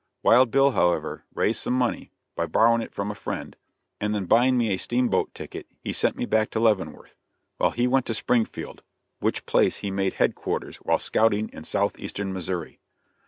Wild Bill, however, raised some money, by borrowing it from a friend, and then buying me a steamboat ticket he sent me back to Leavenworth, while he went to Springfield, which place he made his headquarters while scouting in southeastern Missouri.